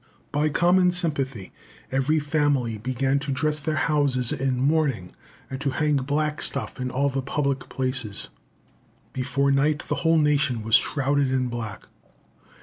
By common sympathy, every family began to dress their houses in mourning, and to hang black stuff in all the public places; "before night, the whole nation was shrouded in black."